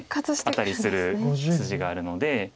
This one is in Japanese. アタリする筋があるので。